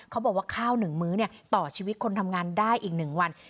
เขาบอกว่าข้าว๑มื้อต่อชีวิตคนทำงานได้อีก๑วัน